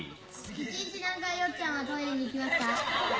１日何回ヨッちゃんはトイレに行きますか？